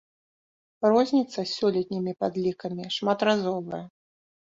Розніца з сёлетнімі падлікамі шматразовая.